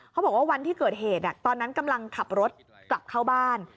บอกว่าวันที่เกิดเหตุตอนนั้นกำลังขับรถกลับเข้าบ้าน